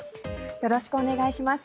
よろしくお願いします。